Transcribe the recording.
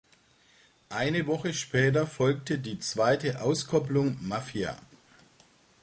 Eine Woche später folgte die zweite Auskopplung "Mafia".